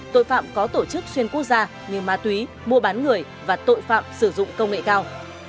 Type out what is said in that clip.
tội phạm có tổ chức xuyên quốc gia như ma túy mua bán người và tội phạm sử dụng công nghệ cao